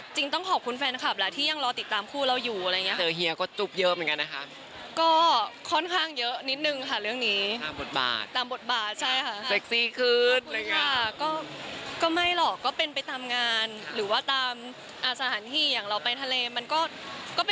จริงอย่างเราไปทะเลมันก็เป็นเรื่องปกติ